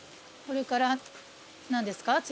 これから何ですか？